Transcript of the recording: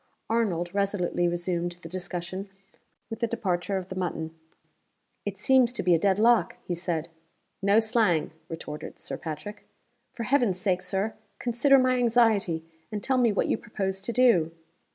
Arnold resolutely resumed the discussion with the departure of the mutton. "It seems to be a dead lock," he said. "No slang!" retorted Sir Patrick. "For Heaven's sake, Sir, consider my anxiety, and tell me what you propose to do!"